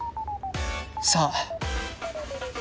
さあ。